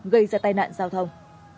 gây ra tai nạn giao thông